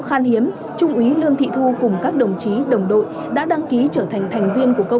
khan hiếm trung úy lương thị thu cùng các đồng chí đồng đội đã đăng ký trở thành thành viên của công